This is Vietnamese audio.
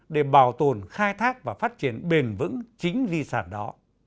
để bảo tồn khai thác và phát triển bền vững chính di sản đó